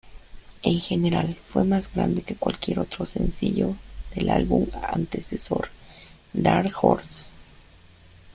En general fue más grande que cualquier otro sencillo del álbum antecesor "Dark Horse".